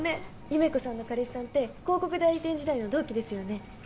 優芽子さんの彼氏さんって広告代理店時代の同期ですよね